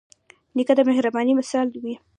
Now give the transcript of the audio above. نیکه د مهربانۍ مثال وي.